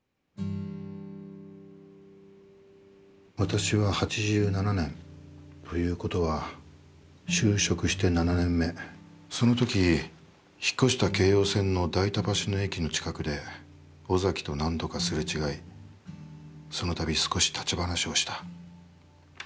「私は八七年、ということは就職して七年目、そのとき引っ越した京王線の代田橋の駅のちかくで尾崎と何度かすれ違い、そのたび少し立ち話をした。